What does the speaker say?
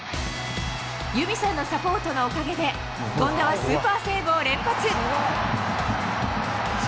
裕美さんのサポートのおかげで、権田はスーパーセーブを連発。